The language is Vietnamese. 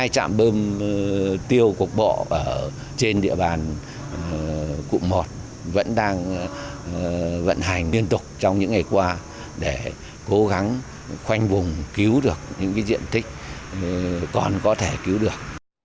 một mươi hai trạm bơm tiêu cuộc bọ ở trên địa bàn cụm một vẫn đang vận hành liên tục trong những ngày qua để cố gắng khoanh vùng cứu được những diện tích còn có thể cứu được